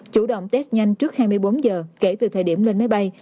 chủ động test nhanh trước hai mươi bốn giờ kể từ thời điểm lên máy bay